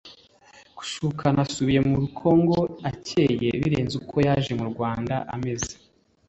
Kusukana asubiye muri Congo acyeye birenze uko yaje mu Rwanda ameze